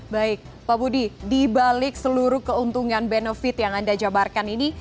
baik pak budi dibalik seluruh keuntungan benefit yang anda jabarkan ini